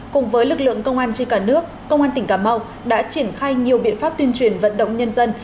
cùng với lực lượng công an trên cả nước công an tỉnh cà mau đã triển khai nhiều biện pháp tuyên truyền vận động nhân dân